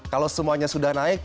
kalau semuanya sudah naik